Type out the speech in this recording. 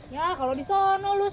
ya kalau di sana lus